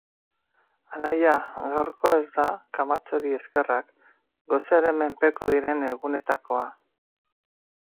Anaia, gaurkoa ez da, Kamatxori eskerrak, gosearen menpeko diren egunetakoa.